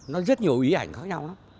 nó rất nhiều ý ảnh khác nhau đó